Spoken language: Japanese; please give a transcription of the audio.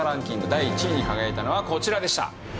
第１位に輝いたのはこちらでした。